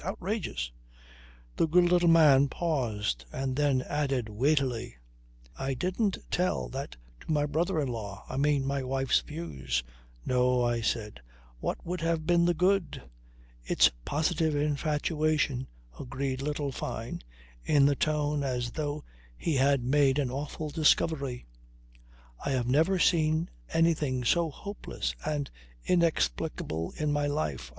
Outrageous." The good little man paused and then added weightily: "I didn't tell that to my brother in law I mean, my wife's views." "No," I said. "What would have been the good?" "It's positive infatuation," agreed little Fyne, in the tone as though he had made an awful discovery. "I have never seen anything so hopeless and inexplicable in my life.